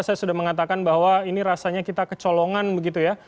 saya sudah mengatakan bahwa ini rasanya kita kecolongan begitu ya